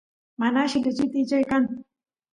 mana alli lechit ichay kan